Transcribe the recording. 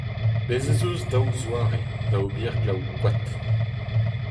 Bez' ez eus daou zoare da ober glaou-koad.